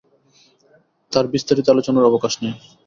তার বিস্তারিত আলোচনার অবকাশ নেই।